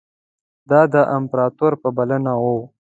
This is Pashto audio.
دا د امپراطور په بلنه وو.